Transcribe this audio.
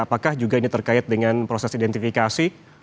apakah juga ini terkait dengan proses identifikasi